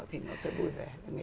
thì nó sẽ vui vẻ